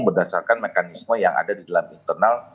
berdasarkan mekanisme yang ada di dalam internal